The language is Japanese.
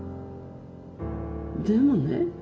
でもね